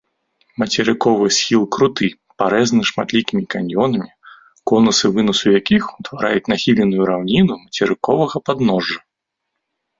Мацерыковы схіл круты, парэзаны шматлікімі каньёнамі, конусы вынасу якіх утвараюць нахіленую раўніну мацерыковага падножжа.